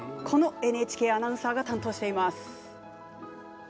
このＮＨＫアナウンサーが担当しています。